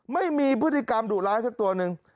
ไม่มีพฤติกรรมดุล้ายแค่ตัวนึง